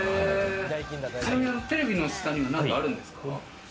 テレビの下には、何かあるんですか？